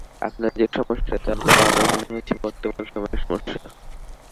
আপনার যে-সমস্যা, তা তো আমার মনে হচ্ছে বর্তমান সময়ের সমস্যা।